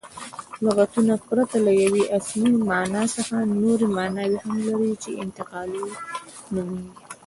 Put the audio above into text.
لغتونه پرته له یوې اصلي مانا څخه نوري ماناوي هم لري، چي انتقالي نومیږي.